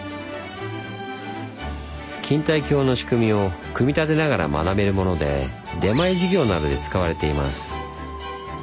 錦帯橋の仕組みを組み立てながら学べるもので出前授業などで使われています。